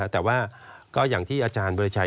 แต่ว่าก็อย่างที่อาจารย์บริชัย